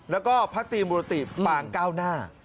แล้วก็พระตรีมุรติปางเก้าหน้า